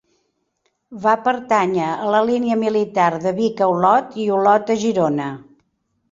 Va pertànyer a la línia militar de Vic a Olot i Olot a Girona.